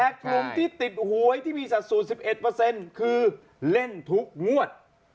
กลุ่มที่ติดหวยที่มีสัดส่วน๑๑เปอร์เซ็นต์คือเล่นทุกงวด